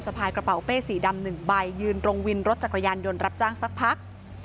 พายกระเป๋าเป้สีดำ๑ใบยืนตรงวินรถจักรยานยนต์รับจ้างสักพัก